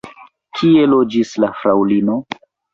Kie loĝis la fraŭlino?